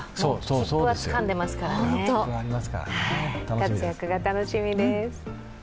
切符はつかんでますから、活躍が楽しみです。